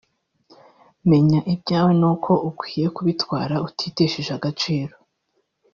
menya ibyawe n’uko ukwiye kubitwara utitesheje agaciro